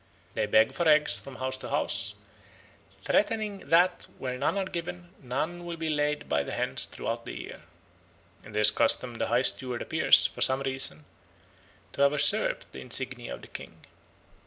They beg for eggs from house to house, threatening that, where none are given, none will be laid by the hens throughout the year. In this custom the high steward appears, for some reason, to have usurped the insignia of the king.